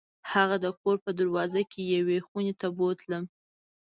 هغه د کور په دروازه کې یوې خونې ته بوتلم.